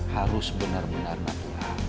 harus benar benar mati